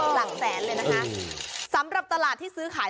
หลักแสนเลยนะคะสำหรับตลาดที่ซื้อขาย